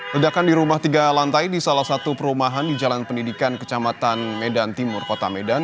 ledakan di rumah tiga lantai di salah satu perumahan di jalan pendidikan kecamatan medan timur kota medan